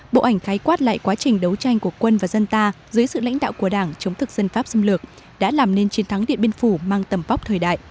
bộ ảnh khái quát lại quá trình đấu tranh của quân và dân ta dưới sự lãnh đạo của đảng chống thực dân pháp xâm lược đã làm nên chiến thắng điện biên phủ mang tầm vóc thời đại